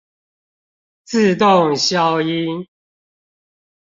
自動消音